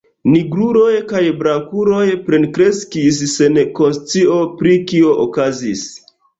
Nigruloj kaj blankuloj plenkreskis sen konscio pri kio okazis.